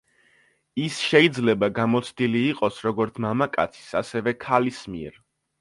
ის შეიძლება გამოცდილი იყოს როგორც მამაკაცის, ასევე, ქალის მიერ.